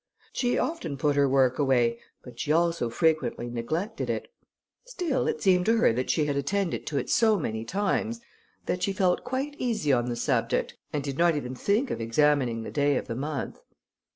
She often put her work away, but she also frequently neglected it: still it seemed to her that she had attended to it so many times, that she felt quite easy on the subject, and did not even think of examining the day of the month.